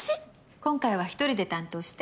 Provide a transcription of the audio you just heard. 今回は１人で担当して。